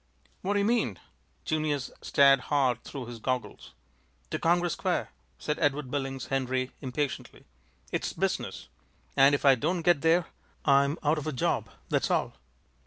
"What do you mean?" Junius stared hard through his goggles. "To Congress Square," said Edward Billings Henry, impatiently. "It's business, and if I don't get there I'm out of a job, that's all."